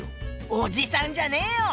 おじさんじゃねえよ！